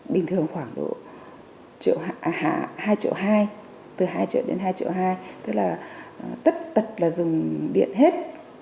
bình thường khoảng độ triệu hai triệu hai từ hai triệu đến hai triệu hai tức là tất tật là dùng điện hết